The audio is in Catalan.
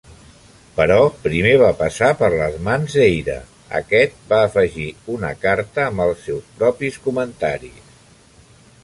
Però primer va passar per les mans d'Eyre, aquest va afegir una carta amb els seus propis comentaris.